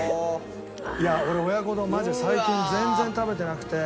いや俺親子丼マジで最近全然食べてなくて。